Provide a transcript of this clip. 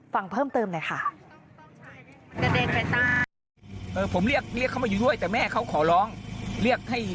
ฟังเพิ่มเติมหน่อยค่ะ